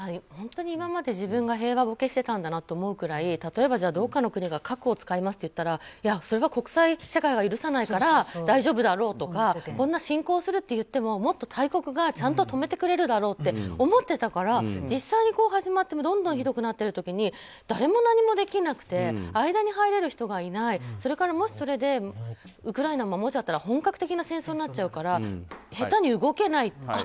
本当に今まで自分が平和ボケしてたんだなと思うくらい例えば、どこかの国が核を使いますって言ったらそれは国際社会が許さないから大丈夫だろうとかこんな侵攻するっていってももっと大国がちゃんと止めてくれるだろうって思ってたから、実際に始まってどんどんひどくなっている時に誰も何もできなくて間には入れる人がいないそれから、もしそれでウクライナ守っちゃったら本格的な戦争になっちゃうから下手に動けない。